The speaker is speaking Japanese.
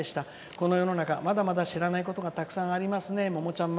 この世の中知らないことがたくさんありますね」。